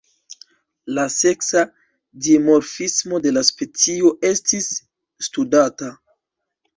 La seksa dimorfismo de la specio estis studata.